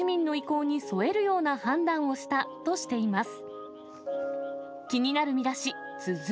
多くの市民の意向に添えるような判断をしたとしています。